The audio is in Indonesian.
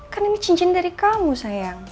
kan ini cincin dari kamu sayang